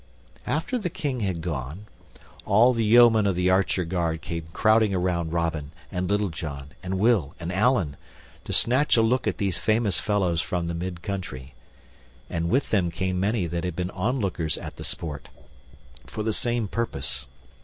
After the King had gone, all the yeomen of the archer guard came crowding around Robin, and Little John, and Will, and Allan, to snatch a look at these famous fellows from the mid country; and with them came many that had been onlookers at the sport, for the same purpose.